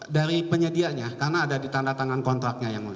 dari penyedianya karena ada di tanda tangan kontraknya yang mulia